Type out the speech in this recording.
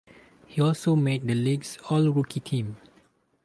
He also made the league's all-rookie team.